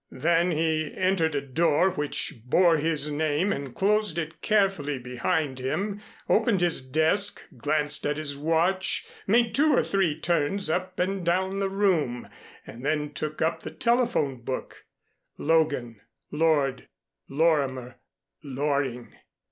Then he entered a door which bore his name and closed it carefully behind him, opened his desk, glanced at his watch, made two or three turns up and down the room and then took up the telephone book, Logan Lord Lorimer, Loring.